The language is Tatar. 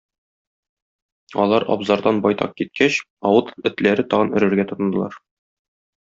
Алар абзардан байтак киткәч, авыл этләре тагын өрергә тотындылар.